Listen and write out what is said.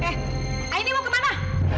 eh aini mau kemana